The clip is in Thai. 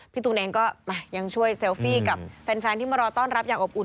ตูนเองก็ยังช่วยเซลฟี่กับแฟนที่มารอต้อนรับอย่างอบอุ่น